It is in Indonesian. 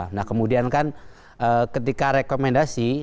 nah kemudian kan ketika rekomendasi